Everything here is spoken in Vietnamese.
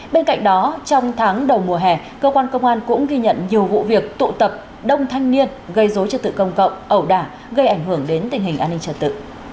bên cạnh đó trong tháng đầu mùa hè cơ quan công an cũng ghi nhận nhiều vụ việc tụ tập đông thanh niên gây dối trật tự công cộng ẩu đả gây ảnh hưởng đến tình hình an ninh trật tự